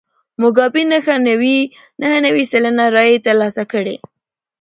موګابي نهه نوي سلنه رایې ترلاسه کړې.